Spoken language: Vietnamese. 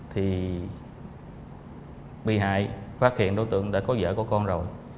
thì bị hại phát hiện đối tượng đã có vợ của con rồi